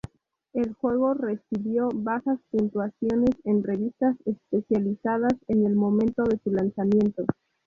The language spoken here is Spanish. El juego recibió bajas puntuaciones en revistas especializadas en el momento de su lanzamiento.